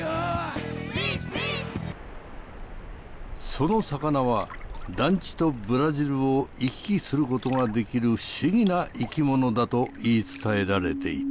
そのサカナは団地とブラジルを行き来することができる不思議な生き物だと言い伝えられていた。